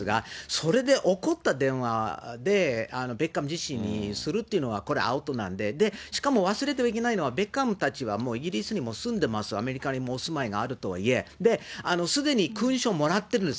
それで怒った電話でベッカム自身にするというのは、これアウトなんで、しかも忘れてはいけないのは、ベッカムたちはもうイギリスにも住んでます、アメリカにもお住まいがあるとはいえ、すでに勲章をもらってるんですよ。